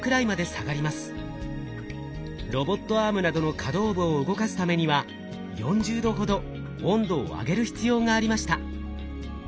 ロボットアームなどの可動部を動かすためには４０℃ほど温度を上げる必要がありました。